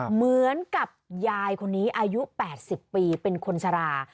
เหมือนกับยายคนนี้อายุ๘๐ปีเป็นคนชรา